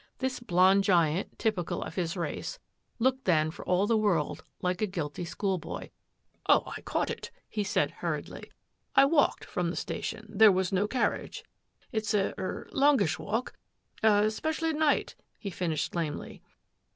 This b^ giant, typical of his race, looked then for al world like a guilty schoolboy. "Oh, I — ca it," he said hurriedly. " I walked from the tion; there was no carriage; it's a — er — loi walk, especially at night," he finished lamely.